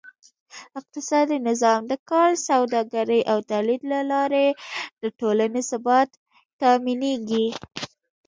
اقتصادي نظام: د کار، سوداګرۍ او تولید له لارې د ټولنې ثبات تأمینېږي.